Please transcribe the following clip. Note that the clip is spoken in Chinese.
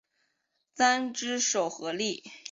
三只手合力。